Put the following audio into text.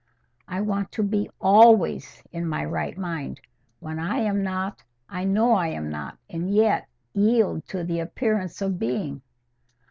I want to be ALWAYS in my right mind. When I am not, I know I am not, and yet yield to the appearance of being."